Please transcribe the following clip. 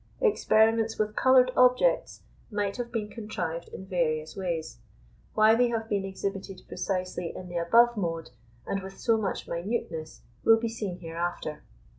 Experiments with coloured objects might have been contrived in various ways: why they have been exhibited precisely in the above mode, and with so much minuteness, will be seen hereafter.